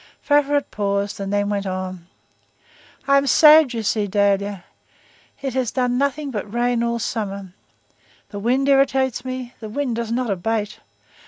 Favourite paused, and then went on:— "I am sad, you see, Dahlia. It has done nothing but rain all summer; the wind irritates me; the wind does not abate.